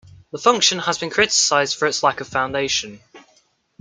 The function has been criticised for its lack of foundation.